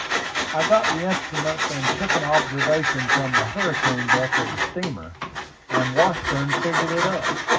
I got the instruments, and took an observation from the hurricane deck of the steamer; and Washburn figured it up.